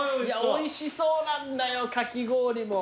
おいしそうなんだよかき氷も。